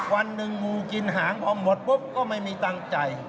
วันหนึ่งงูกินหางพอหมดปุ๊บก็ไม่มีตั้งใจ